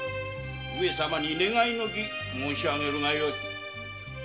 上様に願いの儀申しあげるがよい。